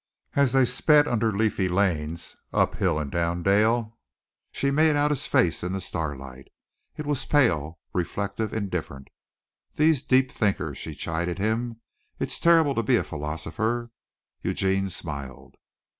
As they sped under leafy lanes, up hill and down dale, she made out his face in the starlight. It was pale, reflective, indifferent. "These deep thinkers!" she chided him. "It's terrible to be a philosopher." Eugene smiled.